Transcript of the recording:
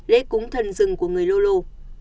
lễ cúng thần rừng của người lô lô